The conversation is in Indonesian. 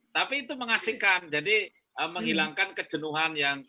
tapi itu mengasingkan jadi menghilangkan kejenuhan yang